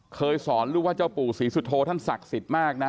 เคยสอนลูกว่าเจ้าปู่ศรีสุโธท่านศักดิ์สิทธิ์มากนะ